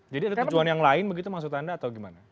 jadi ada tujuan yang lain begitu maksud anda atau gimana